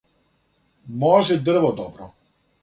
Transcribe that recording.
може дрво добро